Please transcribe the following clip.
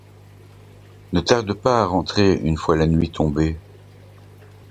Ne tarde pas à rentrer, une fois la nuit tombée.